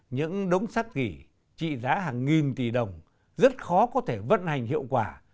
những đống sắt ghỉ trị giá hàng nghìn tỷ đồng rất khó có thể vận hành hiệu quả